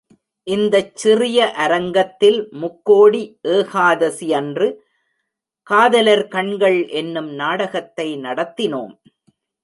இந்தச் சிறிய அரங்கத்தில் முக்கோடி ஏகாதசியன்று காதலர் கண்கள் என்னும் நாடகத்தை நடத்தினோம்.